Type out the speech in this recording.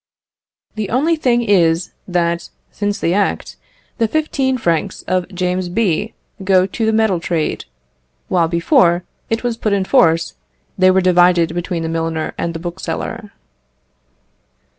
The only thing is that, since the Act, the fifteen francs of James B. go to the metal trade, while before it was put in force, they were divided between the milliner and the bookseller.